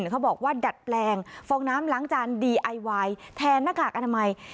เขาบอกว่าดัดแปลงฟองน้ำล้างจานดีไอวายแทนหน้ากากอนามัย